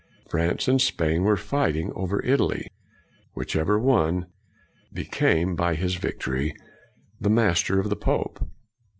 France and Spain were fighting over Italy. Whichever won became, by his victory, the master of the pope.